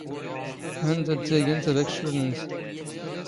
ⵀⴰ ⵏⵏ ⴷⴰⴷⴷⴰ ⵉⴳⴰ ⵏⵏ ⵜⴰⴱⴰⴽⵛⵛⵓⵜ ⵏⵏⵙ.